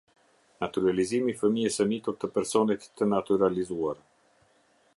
Natyralizimi i fëmijës së mitur të personit të natyralizuar.